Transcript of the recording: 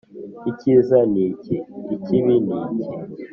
icyiza ni iki? ikibi ni iki?